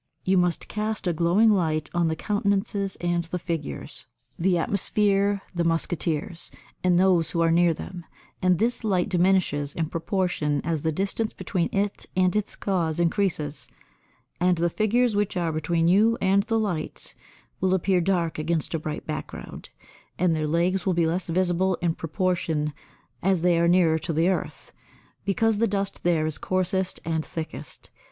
You must cast a glowing light on the countenances and the figures, the atmosphere, the musketeers and those who are near them, and this light diminishes in proportion as the distance between it and its cause increases; and the figures which are between you and the light will appear dark against a bright background, and their legs will be less visible in proportion as they are nearer to the earth, because the dust there is coarsest and thickest.